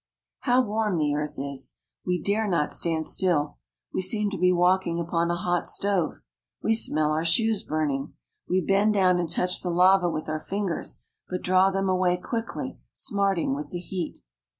How warm the earth is ! We dare not stand still. We seem to be walking upon a hot stove ; we smell our shoes burning ; we bend down and touch the lava with our fingers, but draw them away quickly, smarting with the heat.